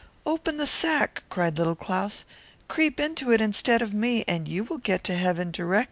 "Open the sack," cried Little Claus; "creep into it instead of me, and you will soon be there."